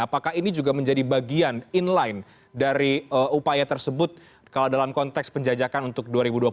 apakah ini juga menjadi bagian inline dari upaya tersebut kalau dalam konteks penjajakan untuk dua ribu dua puluh empat